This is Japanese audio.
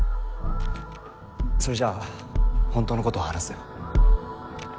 それじゃ本当の事を話すよ。